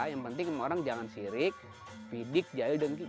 yang penting orang jangan sirik pidik jahil dan gini